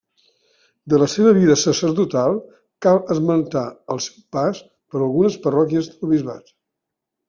De la seva vida sacerdotal cal esmentar el seu pas per algunes parròquies del bisbat.